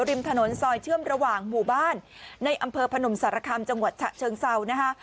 ริมถนนซอยเชื่อมระหว่างหมู่บ้านในอำเภอพนมสารคำจังหวัดฉะเชิงเซานะคะ